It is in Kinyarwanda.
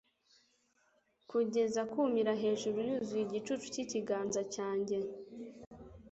Kugeza kumira hejuru yuzuye igicucu cyikiganza cyanjye,